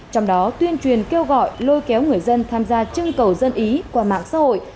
trong đó tuyên truyền kêu gọi lôi kéo người dân tham gia trưng cầu dân ý qua mạng xã hội